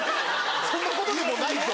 そんなことでもないと。